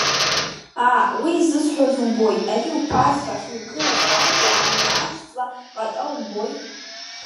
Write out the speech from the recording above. Аа, уи зысҳәаз умбои, ари уԥацха ахьургылаз ааигәа ани аџь ҵла ҟата умбои?